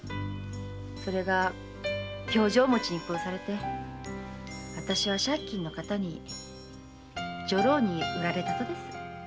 それが凶状持ちに殺されて私は借金の形に女郎に売られたとです。